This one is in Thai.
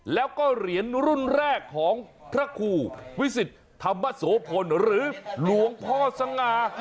แล้วก็เหรียญรุ่นแรกของพระครูวิสิทธิ์ธรรมโสพลหรือหลวงพ่อสง่า